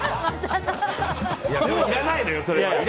もういらないのよ、それは。